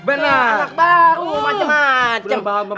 anak baru macem macem